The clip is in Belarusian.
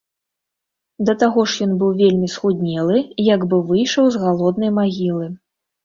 Да таго ж ён быў вельмі схуднелы, як бы выйшаў з галоднай магілы.